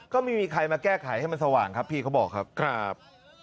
ก็ไม่มีใครมาแก้ไขให้มันสว่างครับพี่เขาบอกครับครับ